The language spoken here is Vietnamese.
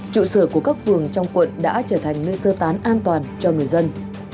trụ sở của các phường trong quận đã trở thành nơi sơ tán an toàn cho người dân